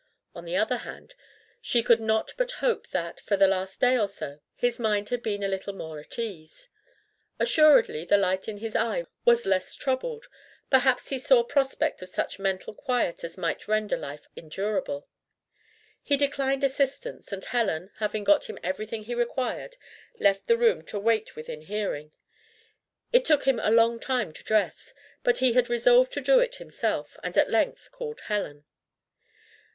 On the other hand, she could not but hope that, for the last day or so, his mind had been a little more at ease. Assuredly the light in his eye was less troubled: perhaps he saw prospect of such mental quiet as might render life endurable. He declined assistance, and Helen, having got him everything he required, left the room to wait within hearing. It took him a long time to dress, but he had resolved to do it himself, and at length called Helen.